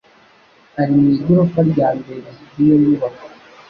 Ari mu igorofa rya mbere ryiyo nyubako.